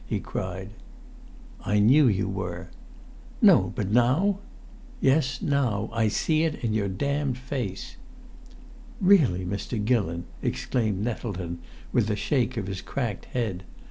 he cried. "I knew you were." "No but now?" "Yes now I see it in your damned face!" "Really, Mr. Gillon!" exclaimed Nettleton, with a shake of his cracked head.